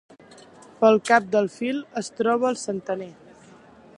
Pel cap del fil es troba el centener.